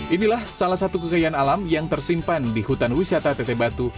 inilah salah satu kekayaan alam yang tersimpan di hutan wisata teteh batu